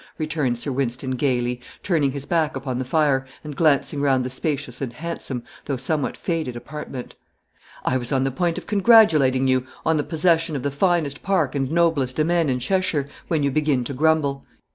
returned Sir Wynston, gaily, turning his back upon the fire, and glancing round the spacious and handsome, though somewhat faded apartment. "I was on the point of congratulating you on the possession of the finest park and noblest demesne in Cheshire, when you begin to grumble.